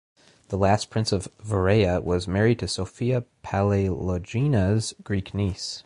The last prince of Vereya was married to Sophia Palaiologina's Greek niece.